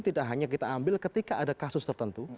tidak hanya kita ambil ketika ada kasus tertentu